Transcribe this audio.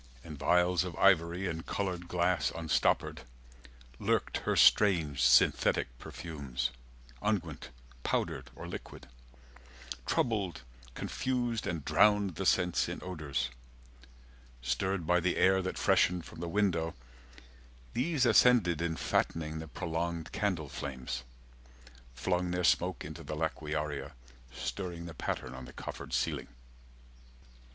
In vials of ivory and coloured glass Unstoppered, lurked her strange synthetic perfumes, Unguent, powdered, or liquid—troubled, confused And drowned the sense in odours; stirred by the air That freshened from the window, these ascended 90 In fattening the prolonged candle flames, Flung their smoke into the laquearia, Stirring the pattern on the coffered ceiling.